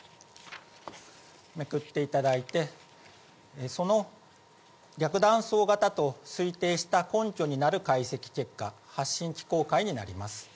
めくっていただいて、その逆断層型と推定した根拠になる解析結果、発震機構になります。